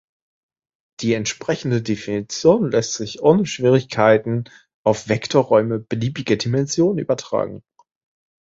Die entsprechende Definition lässt sich ohne Schwierigkeit auf Vektorräume beliebiger Dimension übertragen.